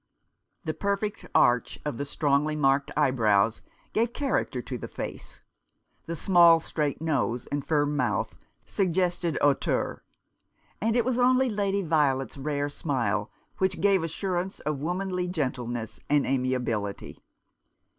The perfect arch of the strongly marked eyebrows gave character to the face, the small straight nose and firm mouth suggested hauteur ; and it was only Lady Violet's rare smile which gave assurance of womanly gentleness and amiability.